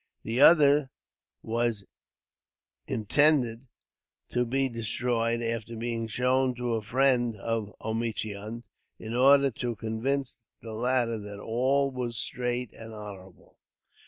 The other was intended to be destroyed, after being shown to a friend of Omichund, in order to convince the latter that all was straight and honorable.